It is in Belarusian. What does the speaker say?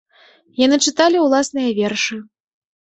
Яны чыталі ўласныя вершы.